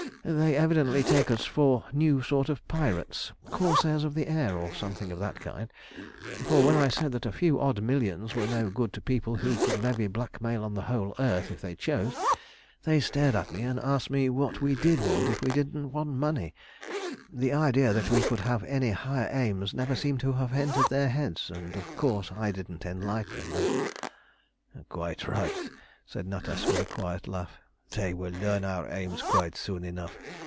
"They evidently take us for a new sort of pirates, corsairs of the air, or something of that kind; for when I said that a few odd millions were no good to people who could levy blackmail on the whole earth if they chose, they stared at me and asked me what we did want if we didn't want money. The idea that we could have any higher aims never seemed to have entered their heads, and, of course, I didn't enlighten them." "Quite right," said Natas, with a quiet laugh. "They will learn our aims quite soon enough.